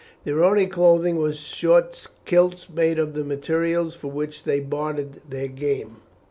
Their only clothing was short kilts made of the materials for which they bartered their game.